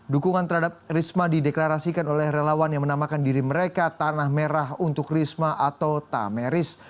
dukungan terhadap risma dideklarasikan oleh relawan yang menamakan diri mereka tanah merah untuk risma atau tameris